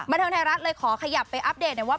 บรรทางไทยรัฐเลยขอขยับไปอัปเดตนะว่า